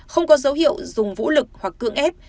không có dấu hiệu dùng vũ lực hoặc cưỡng ép